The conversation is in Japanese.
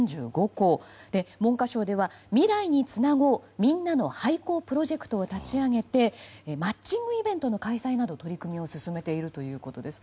文科省では「未来につなごうみんなの廃校プロジェクト」を立ち上げてマッチングイベントの開催など取り組みを進めているということです。